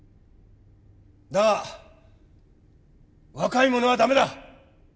だが若い者は駄目だ。